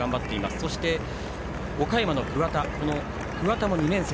そして、岡山の桑田も２年生。